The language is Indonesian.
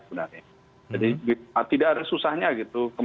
jadi tidak ada susahnya gitu